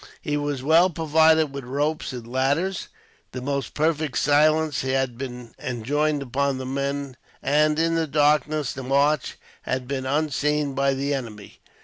He was well provided with ropes and ladders. The most perfect silence had been enjoined upon the men and, in the darkness, the march had been unseen by the enemy.